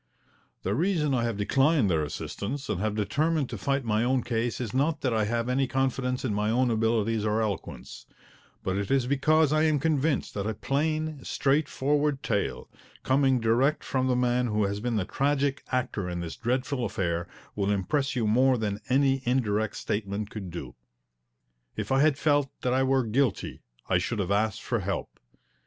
The reason I have declined their assistance and have determined to fight my own case is not that I have any confidence in my own abilities or eloquence, but it is because I am convinced that a plain, straightforward tale, coming direct from the man who has been the tragic actor in this dreadful affair, will impress you more than any indirect statement could do. If I had felt that I were guilty I should have asked for help.